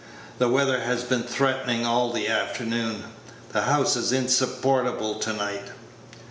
The weather has been threatening all the afternoon. The house is insupportable to night."